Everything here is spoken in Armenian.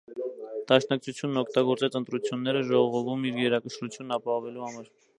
Դաշնակցությունն օգտագործեց ընտրությունները՝ ժողովում իր գերակշռությունն ապահովելու համար։